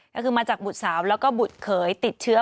ก็คือมาจากบุตรสาวแล้วก็บุตรเขยติดเชื้อ